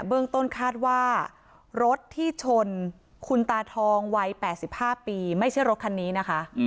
เบื้องต้นคาดว่ารถที่ชนคุณตาทองวัย๘๕ปีไม่ใช่รถคันนี้นะคะ